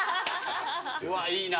うわいいな。